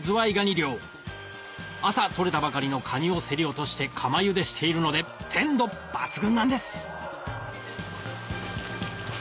漁朝取れたばかりのカニを競り落として釜茹でしているので鮮度抜群なんです